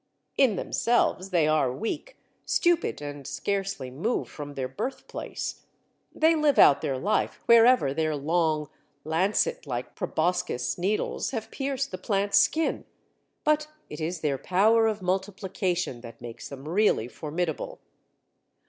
In themselves they are weak, stupid, and scarcely move from their birthplace. They live out their life wherever their long, lancet like proboscis needles have pierced the plant's skin, but it is their power of multiplication that makes them really formidable.